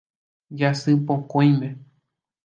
Jasypokõime.